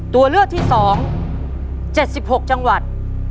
ตัวเลือกที่๒๗๖จังหวัด